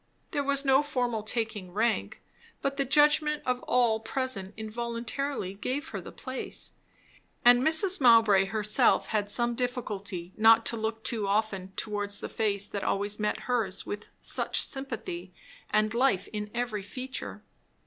There was no formal taking rank, but the judgment of all present involuntarily gave her the place. And Mrs. Mowbray herself had some difficulty not to look too often towards the face that always met hers with such sympathy and life in every feature.